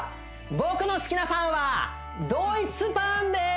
僕の好きなパンはドイツパンです